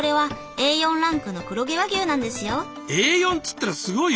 Ａ４って言ったらすごいよ。